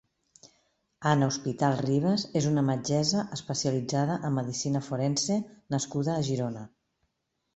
Anna Hospital Ribas és una metgessa especialitzada en medicina forense nascuda a Girona.